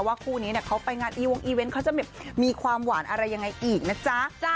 คู่นี้เขาไปงานอีวงอีเวนต์เขาจะมีความหวานอะไรยังไงอีกนะจ๊ะ